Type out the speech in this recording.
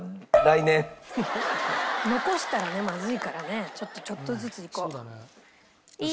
残したらねまずいからねちょっとずついこう。